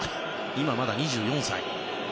今まだ２４歳。